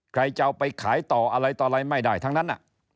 ใครจะเอาไปขายต่ออะไรต่ออะไรไม่ได้ทั้งนั้น